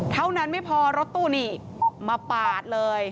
เท่านั้นไม่พอรถตู้นี่มาปาดเลย